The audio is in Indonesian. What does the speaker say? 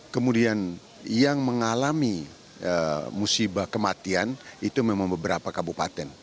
kemudian yang mengalami musibah kematian itu memang beberapa kabupaten